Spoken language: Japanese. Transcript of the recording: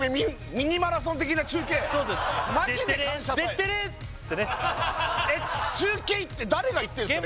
ミニマラソン的な中継そうですマジで「感謝祭」「テッテレッテッテレッ」っつってね中継って誰が行ってるんすか？